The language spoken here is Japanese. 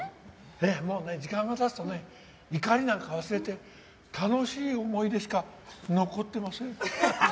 もうね時間が経つとね怒りなんか忘れて楽しい思い出しか残ってません。